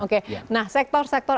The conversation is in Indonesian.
oke nah sektor sektor